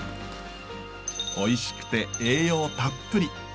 おいしくて栄養たっぷり。